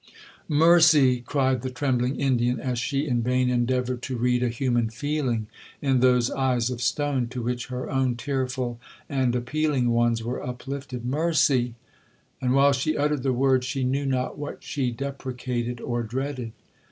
'Mercy!' cried the trembling Indian, as she in vain endeavoured to read a human feeling in those eyes of stone, to which her own tearful and appealing ones were uplifted—'mercy!' And while she uttered the word, she knew not what she deprecated or dreaded.